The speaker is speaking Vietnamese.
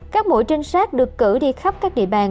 các mũi trinh sát được cử đi khắp các địa bàn